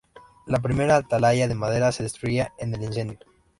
La primera atalaya de madera es destruida en un incendio.